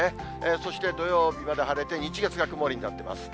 そして土曜日まで晴れて、日月が曇りになってます。